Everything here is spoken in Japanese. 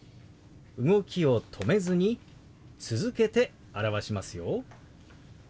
動きを止めずに続けて表しますよ。